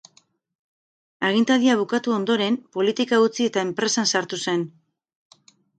Agintaldia bukatu ondoren, politika utzi eta enpresan sartu zen.